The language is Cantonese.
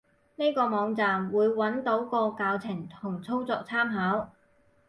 呢個網站，會揾到個教程同操作參考